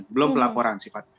belum pelaporan sifatnya